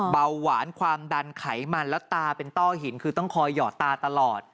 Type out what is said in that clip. เบาหวานความดันไขมันแล้วตาเป็นต้อหินคือต้องคอยหยอดตาตลอด